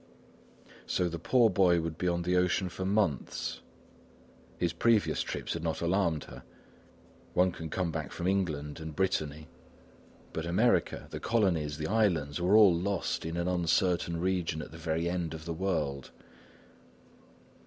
So the poor boy would be on the ocean for months! His previous trips had not alarmed her. One can come back from England and Brittany; but America, the colonies, the islands, were all lost in an uncertain region at the very end of the world.